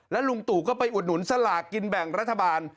ลุงตู่ก็ไปอุดหนุนสลากกินแบ่งรัฐบาล